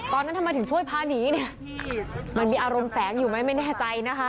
ตอนนั้นทำไมถึงช่วยพาหนีเนี่ยมันมีอารมณ์แฝงอยู่ไหมไม่แน่ใจนะคะ